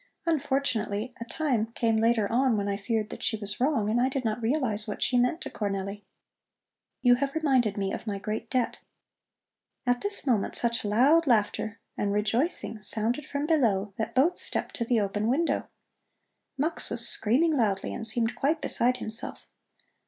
Unfortunately a time came later on when I feared that she was wrong, and I did not realize what she meant to Cornelli. You have reminded me of my great debt " At this moment such loud laughter and rejoicing sounded from below that both stepped to the open window. Mux was screaming loudly, and seemed quite beside himself.